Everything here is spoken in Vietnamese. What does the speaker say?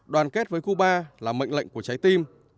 đoàn kết với cuba là mệnh lệnh của trái tim